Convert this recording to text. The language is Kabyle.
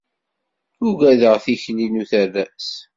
Ugadeɣ tikli n uterras